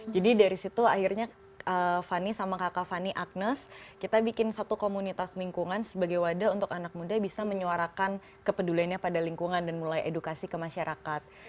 jadi dari situ akhirnya fanny sama kakak fanny agnes kita bikin satu komunitas lingkungan sebagai wadah untuk anak muda bisa menyuarakan kepeduliannya pada lingkungan dan mulai edukasi ke masyarakat